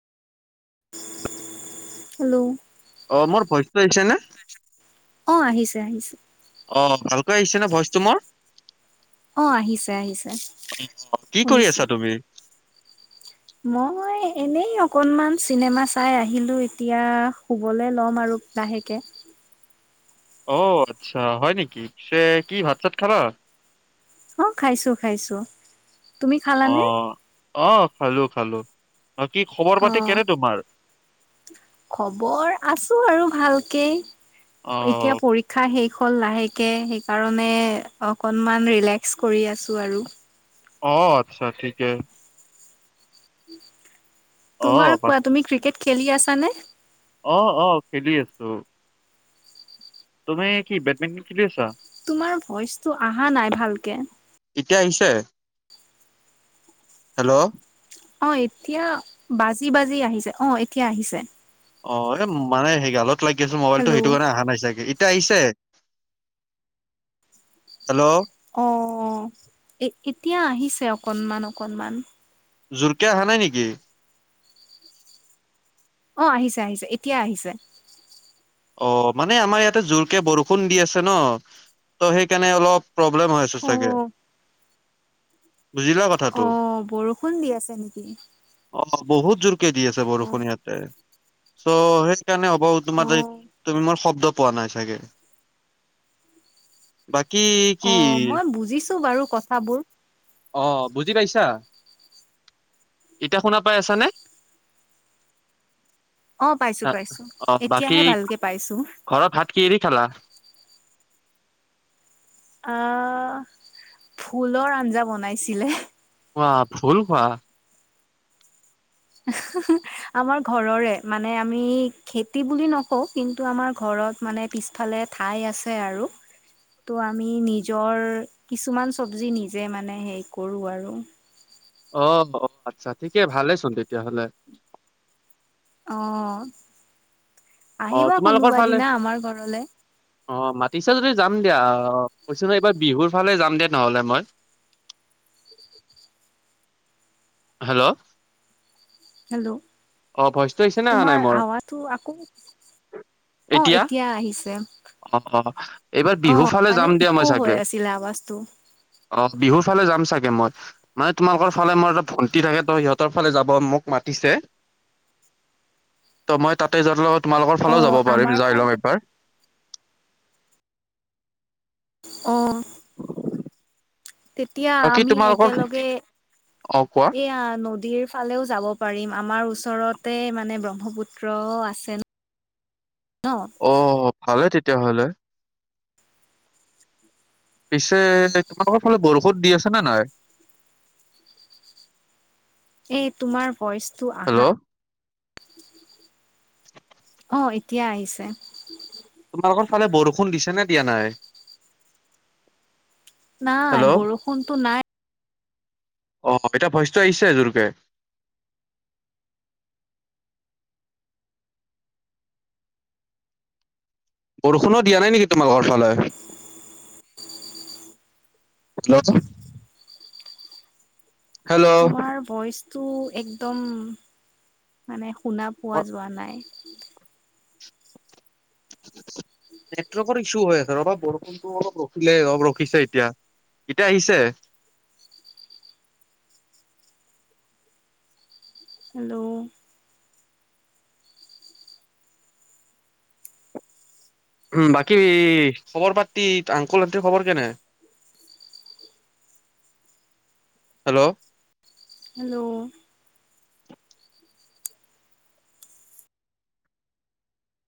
Hello. অ মোৰ ভইচটো আহিছে নে? অ আহিছে আহিছে। অ ভালকৈ আহিছে নে ভইচটো মোৰ? অ আহিছে আহিছে কি কৰি শুনিছো আছা তুমি? মই এনেই অকনমান চিনেমা চাই আহিলো এতিয়া শুবলৈ ল'ম আৰু লাহেকৈ। অ আচ্ছা হয় নেকি? পিছে কি ভাত-চাত খালা? অ খাইছো খাইছো। তুমি অ খালানে? অ খালো খালো। বাকী খবৰ অ পাতি কেনে তোমাৰ? খবৰ আছো আৰু ভালকে অ এতিয়া পৰা ক্ষা শেষ হ'ল লাহেকে সেইকাৰণে অকণমান ৰিলেক্স কৰি আছোঁ আৰু। অ আচ্ছা ঠিকেই। অ তোমাৰ বাক কোৱা তুমি ক্ৰিকেট খেলি আছা নে? অ অ খেলি আছো। তুমি কি বেডমিণ্টন খেলি আছা? তোমাৰ ভইচটো অহা নাই ভালকে। এতিয়া আহিছে? হেল্ল' অ এতিয়া বাজি বাজি আহিছে, অ এতিয়া আহিছে। অ এ মানে সেই গালত লাগি আছো মোবাইলতটো হেল্ল' সেইটো কাৰণে অহা নাই চাগে, এতিয়া আহিছে? হেল্ল' অ এ এতিয়া আহিছে অকনমান অকনমান। জোৰকে অহা নাই নেকি? অ আহিছে আহিছে এতিয়াই আহিছে। অ মানে আমাৰ ইয়াতে জোৰকে বৰষুণ দি আছে ন ত সেইকাৰণে অলপ প্ৰব্লেম হৈ আছে চাগে, অ' বুজিলা কথা অ বৰষুণ দি আছে নেকি? অ বহুত জোৰকে দি আছে বৰষুণ অ'। ইয়াতে চ' সেইকাৰণে হ'ব তোমাৰ অ' তুমি মোৰ শব্দ পোৱা নাই চাগে। বাকী কি অ মই বুজিছো বাৰু কথাবোৰ। অ বুজি পাইছা? ইতা শুনা পাই আছানে? [unintelligible] অ পাইছো পাইছো অ বাকী এতিয়াহে ভালকে পাইছো। ঘৰত ভাত কিহেদি খালা? আহ ভুলৰ আঞ্জা বনাইছিলে। ৱা ভুল কোৱা? আমাৰ ঘৰৰে মানে আমি খেতি বুলি নকওঁ কিন্তু আমাৰ ঘৰত মানে পিছফালে ঠাই আছে আৰু তো আমি নিজৰ কিছুমান চব্জি নিজে মানে হেৰি কৰোঁ আৰু। অ অ আচ্ছা ঠিকে ভালেচোন তেতিয়াহ'লে। অ, অ আহিবা তোমালোকৰ কোনোবা ফালে দিনা আমাৰ ঘৰলে। অ মাতিছা যদি যাম দিয়া, অ কৈছো ন এইবাৰ বিহুৰ ফালে যাম দে নহলে মই। হেল্ল'? হেল্ল'? অ ভইচটো আহিছে নে অহা নাই তোমাৰ মোৰ আৱাটো আকৌ অ এতিয়া আহিছে অক। অ অ, এইবাৰ বিহুৰ ফালে যাম দিয়া ইক' মই হৈ চাগে? আছিলে আৱাজটো অহ, বিহুৰ ফালে যাম চাগে মই? মানে তোমালোকৰ ফালে মোৰ এটা ভণ্টি থাকে তো সিহঁতৰ ফালে যাব মোক মাতিছে। ত' মই তাতে যত লগত তোমালোকৰ অ ফালে যাব পাৰিম আমাৰ যাই ফালে লম এবাৰ। অ'। তেতিয়া বাকী আমি তোমালোকৰ একেলগে, অ কোৱা এইয়া নদীৰ ফালেও যাব পাৰিম, আমাৰ ওচৰতে মানে ব্ৰহ্মপুত্ৰ আছে ন অ, ভালে তেতিয়াহলে। পিছে তোমালোকৰ ফালে বৰষুত দি আছে নে নাই? এই তোমাৰ ভইচটো আহাঁ হেল্ল' [inaudible] অঁ এতিয়া আহিছে। তোমালোকৰ ফালে বৰষুণ দিছে নে দিয়া নাই? নাই, হেল্ল' বৰষুণটো নাই অ এতিয়া ভইচটো আহিছে জোৰকে। বৰষুণো দিয়া নাই নেকি তোমাৰ ঘৰফালে? ল [inaudible] তোমাৰ ভইচটো একদম মানে শুনা পোৱা যোৱা নাই? নেটৱৰ্কৰ ইছ্যু হৈ আছে ৰবা বৰষুণ অলপ ৰখিলে অলপ ৰখিছে এতিয়া, এতিয়া আহিছে? হেল্ল'? উম, বাকী খবৰ - পাতি আংকুল - আনটিৰ খবৰ কেনে? হেল্ল'? হেল্ল'?